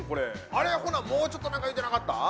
あれ、もうちょっと何か言ってなかった？